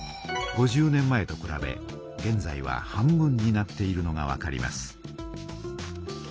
５０年前とくらべげんざいは半分になっているのがわかります。